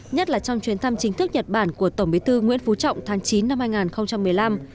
nhất là trong chuyến thăm chính thức nhật bản của tổng bí thư nguyễn phú trọng tháng chín năm hai nghìn một mươi năm